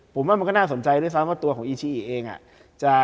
ผมว่ามันก็น่าสนใจด้วยซ้ำว่าตัวของอีชีเอง